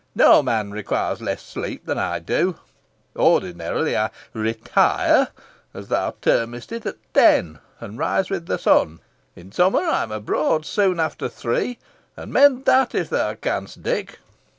No man requires less sleep than I do. Ordinarily, I 'retire,' as thou termest it, at ten, and rise with the sun. In summer I am abroad soon after three, and mend that if thou canst, Dick.